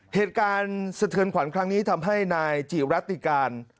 เหตุการณ์สะเทือนขวัญครั้งนี้ทำให้นายจิรัติการ